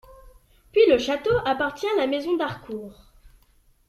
Puis le château appartient à la Maison d'Harcourt.